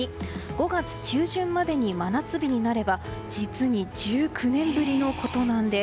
５月中旬までに真夏日になれば実に１９年ぶりのことなんです。